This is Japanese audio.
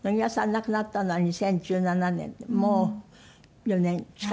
亡くなったのは２０１７年でもう４年近くなりますかね。